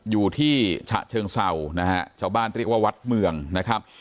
อยู่ที่ฉะเชิงเศร้านะฮะชาวบ้านเรียกว่าวัดเมืองนะครับ